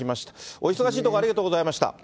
お忙しいところ、ありがとうございました。